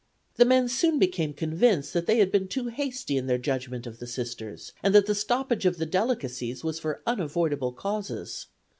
The men soon became convinced that they had been too hasty in their judgment of the Sisters, and that the stoppage of the delicacies was for unavoidable causes.